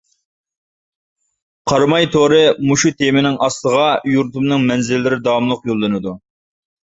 قاراماي تورى مۇشۇ تېمىنىڭ ئاستىغا يۇرتۇمنىڭ مەنزىرىلىرى داۋاملىق يوللىنىدۇ.